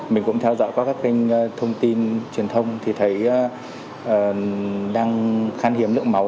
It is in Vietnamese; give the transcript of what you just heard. mình cũng theo dõi qua các kênh thông tin truyền thông thì thấy đang khan hiếm lượng máu